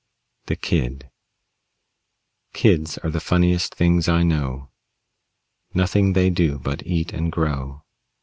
THE KID Kids are the funniest things I know; Nothing they do but eat and grow.